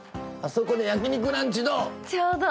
あそこで焼き肉ランチどう？